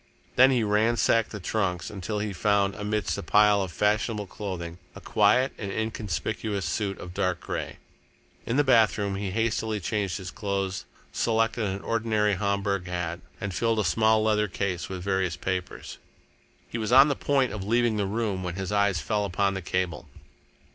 Then he ransacked the trunks until he found, amidst a pile of fashionable clothing, a quiet and inconspicuous suit of dark grey. In the bathroom he hastily changed his clothes, selected an ordinary Homburg hat, and filled a small leather case with various papers. He was on the point of leaving the room when his eyes fell upon the cable.